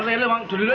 di waduk gajah mungkut